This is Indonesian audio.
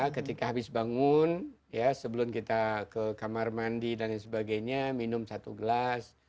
ketika habis bangun sebelum kita ke kamar mandi dan sebagainya minum satu gelas